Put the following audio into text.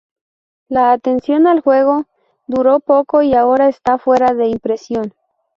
La atención al juego duró poco y ahora está fuera de impresión.